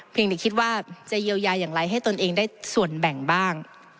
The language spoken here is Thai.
เพียงแต่คิดว่าจะเยียวยาอย่างไรให้ตนเองได้ส่วนแบ่งบ้าง